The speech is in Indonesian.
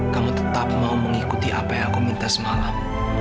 kamu tetap mau mengikuti apa yang aku minta semalam